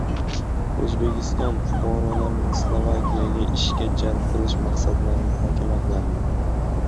O‘zbekiston fuqarolarini Slovakiyaga ishga jalb qilish masalalari muhokama qilindi